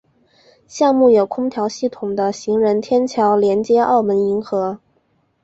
项目有空调系统的行人天桥连接澳门银河。